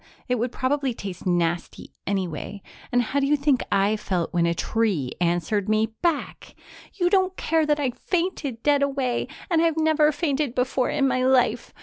It would probably taste nasty anyway. And how do you think I felt when a tree answered me back? You don't care that I fainted dead away, and I've never fainted before in my life.